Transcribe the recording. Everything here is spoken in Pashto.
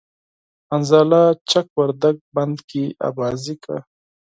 حنظله چک وردگ بند کی آبازی کا